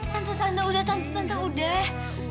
tante tante udah tante tante udah